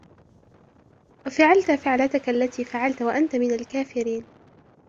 وفعلت فعلتك التي فعلت وأنت من الكافرين